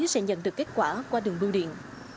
sẽ nhận được kết quả qua đường bu điện